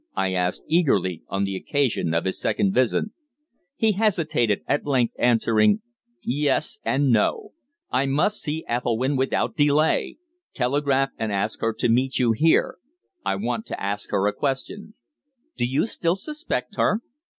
I asked, eagerly, on the occasion of his second visit. He hesitated, at length answering "Yes and no. I must see Ethelwynn without delay. Telegraph and ask her to meet you here. I want to ask her a question." "Do you still suspect her?"